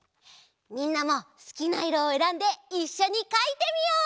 みんなもすきないろをえらんでいっしょにかいてみよう！